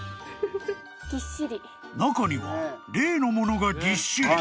［中には例のものがぎっしり］